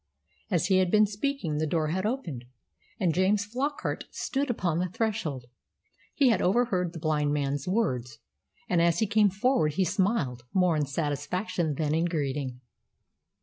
As he had been speaking the door had opened, and James Flockart stood upon the threshold. He had overheard the blind man's words, and as he came forward he smiled, more in satisfaction than in greeting.